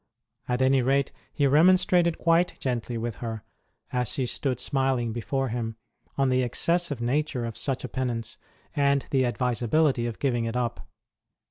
At any rate, he remonstrated quite gently with her, as she stood smiling before him, on the excessive nature of such a penance, and the advisability of giving it up.